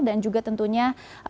dan juga tentunya